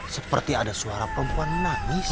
seperti ada suara perempuan nangis